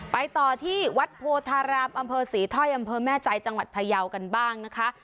ไปต่อที่วัดโพธารามอำเภอศรีถ้อยอำเภอแม่ใจจังหวัดพยาวกันบ้างนะคะ